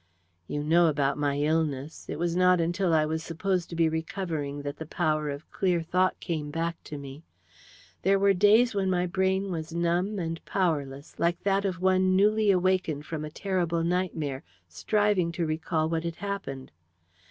"You know about my illness. It was not until I was supposed to be recovering that the power of clear thought came back to me. There were days when my brain was numb and powerless, like that of one newly awakened from a terrible nightmare, striving to recall what had happened.